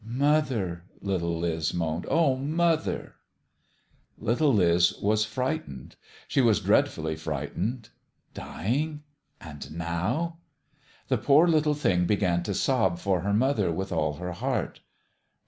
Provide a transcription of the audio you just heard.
" Mother !" little Liz moaned. " Oh, mother !" Little Liz was frightened. She was dreadfully frightened. Dying? And now? The poor little thing began to sob for her mother with all her heart.